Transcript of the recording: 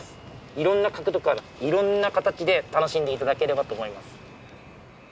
いろんな角度からいろんな形で楽しんで頂ければと思います。